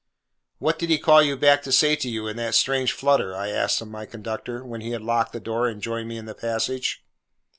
'What did he call you back to say to you, in that strange flutter?' I asked of my conductor, when he had locked the door and joined me in the passage.